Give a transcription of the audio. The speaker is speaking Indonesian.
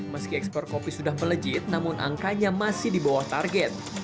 meski ekspor kopi sudah melejit namun angkanya masih di bawah target